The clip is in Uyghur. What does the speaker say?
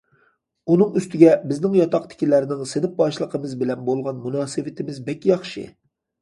ئۇنىڭ ئۈستىگە بىزنىڭ ياتاقتىكىلەرنىڭ سىنىپ باشلىقىمىز بىلەن بولغان مۇناسىۋىتىمىز بەك ياخشى.